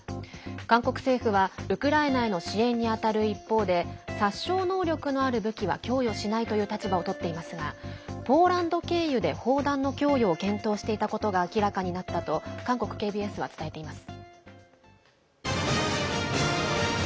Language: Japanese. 韓国政府はウクライナへの支援に当たる一方で殺傷能力のある武器は供与しないという立場をとっていますがポーランド経由で砲弾の供与を検討していたことが明らかになったと韓国ＫＢＳは伝えています。